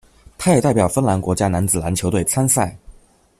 他也代表芬兰国家男子篮球队参赛。